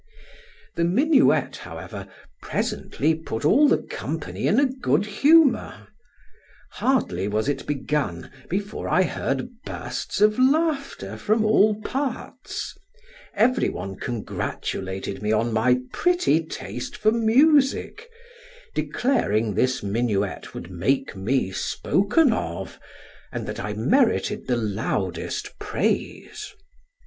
The minuet, however, presently put all the company in good humor; hardly was it begun, before I heard bursts of laughter from all parts, every one congratulated me on my pretty taste for music, declaring this minuet would make me spoken of, and that I merited the loudest praise.